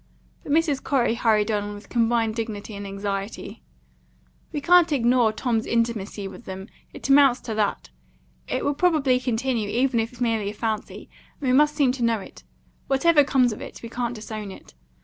But Mrs. Corey hurried on, with combined dignity and anxiety "We can't ignore Tom's intimacy with them it amounts to that; it will probably continue even if it's merely a fancy, and we must seem to know it; whatever comes of it, we can't disown it.